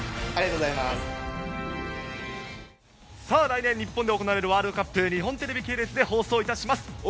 来年、日本で行われるワールドカップ、日本テレビ系列で放送いたします。